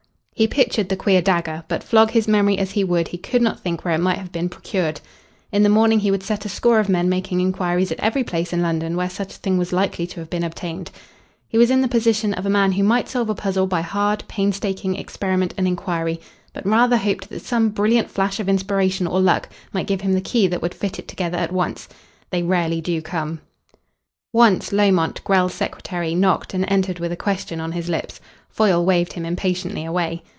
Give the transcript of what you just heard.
He pictured the queer dagger, but flog his memory as he would he could not think where it might have been procured. In the morning he would set a score of men making inquiries at every place in London where such a thing was likely to have been obtained. He was in the position of a man who might solve a puzzle by hard, painstaking experiment and inquiry, but rather hoped that some brilliant flash of inspiration or luck might give him the key that would fit it together at once. They rarely do come. Once Lomont, Grell's secretary, knocked and entered with a question on his lips. Foyle waved him impatiently away.